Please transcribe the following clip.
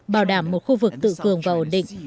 bảo đảm một khu vực tự cường và ổn định